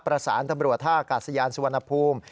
ประสานตำรวจท่าอากาศยานสุวรรณภูมิ